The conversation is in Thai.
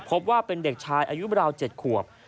พบว่าเป็นเด็กชายอายุราว๗ขวบ